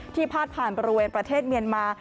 พาดผ่านบริเวณประเทศเมียนมา